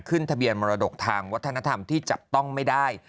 ขึ้นทะเบียนมรดกทางวัฒนธรรมที่จับต้องไม่ได้